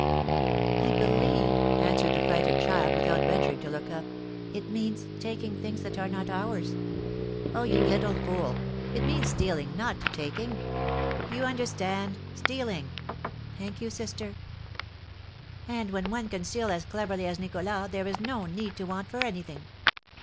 "I believe," answered the frightened child, without venturing to look up, "it means taking things that are not ours." "Oh, you little fool! It means stealing, not taking. Do you understand? stealing!" "Thank you, sister!" "And when one can steal as cleverly as Nicholas, there is no need to want for anything.